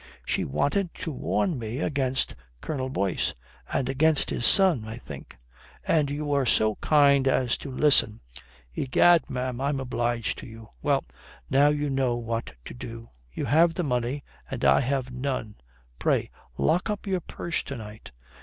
"She wanted to warn me against Colonel Boyce." "And against his son, I think. And you were so kind as to listen. Egad, ma'am, I am obliged to you. Well, now you know what to do. You have the money and I have none. Pray, lock up your purse to night."